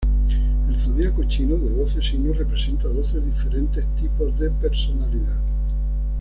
El zodiaco chino de doce signos representa doce diferentes tipos de personalidad.